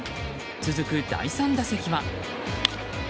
続く第３打席は。